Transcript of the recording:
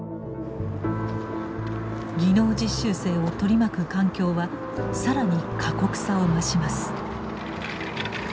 技能実習生を取り巻く環境は更に過酷さを増します。